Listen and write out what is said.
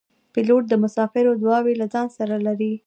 پیلوټ د مسافرو دعاوې له ځان سره لري.